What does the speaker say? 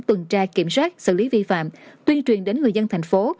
tuần tra kiểm soát xử lý vi phạm tuyên truyền đến người dân thành phố